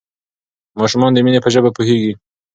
ماشومان د مینې په ژبه پوهیږي.